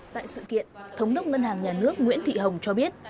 tại sự kiện thống đốc ngân hàng nhà nước nguyễn thị hồng cho biết